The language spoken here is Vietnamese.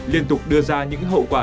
liên tục đưa ra những hậu quả